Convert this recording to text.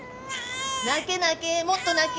・泣け泣けもっと泣け。